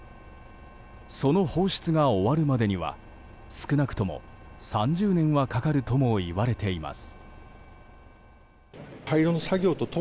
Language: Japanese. その放出が終わるまでには少なくとも３０年はかかるともいわれています。